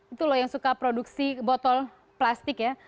itu loh yang suka produksi botol plastik ya